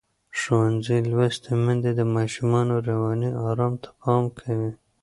ښوونځې لوستې میندې د ماشومانو رواني آرام ته پام کوي.